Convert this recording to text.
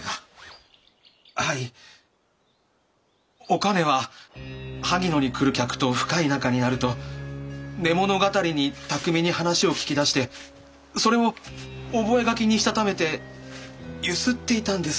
お兼ははぎ野に来る客と深い仲になると寝物語に巧みに話を聞き出してそれを覚書にしたためてゆすっていたんです。